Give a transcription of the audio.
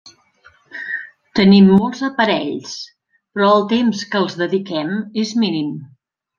Tenim molts aparells, però el temps que els dediquem és mínim.